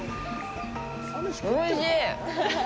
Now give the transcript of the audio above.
おいしい！